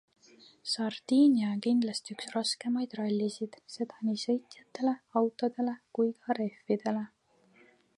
Sardiinia on kindlasti üks raskemaid rallisid, seda nii sõitjatele, autodele kui ka rehvidele.